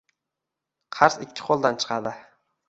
Qars ikki qo‘ldan chiqadi.